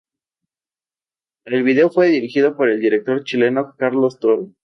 El video fue dirigido por el director chileno Carlos Toro.